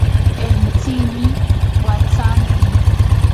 Entsini watsanti.